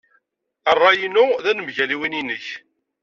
Ṛṛay-inu d anemgal n win-nnek.